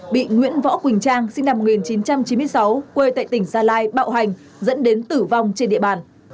bị nguyễn võ quỳnh trang sinh năm một nghìn chín trăm chín mươi sáu quê tại tỉnh gia lai bạo hành dẫn đến tử vong trên địa bàn